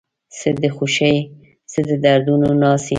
څه د خوښۍ څه د دردونو ناڅي